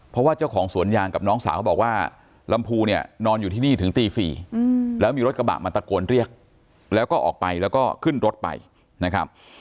เพราะว่าเจ้าของสวนยางกับน้องสาวเขาบอกว่าลำพูเนี่ยนอนอยู่ที่นี่ถึงตี๔แล้วมีรถกระบะมาตะโกนเรียกแล้วก็ออกไปแล้วก็ขึ้นรถไปนะครับ